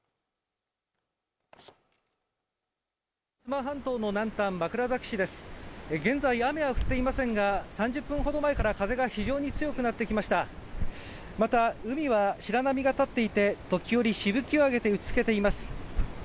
薩摩半島の南端枕崎市です現在雨は降っていませんが３０分ほど前から風が非常に強くなってきましたまた海は白波が立っていて時折しぶきを上げて打ちつけています